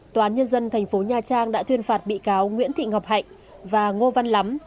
toán nhân dân thành phố nha trang đã thuyên phạt bị cáo nguyễn thị ngọc hạnh và ngô văn lắm